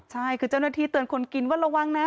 ใช่คือเจ้าหน้าที่เตือนคนกินว่าระวังนะ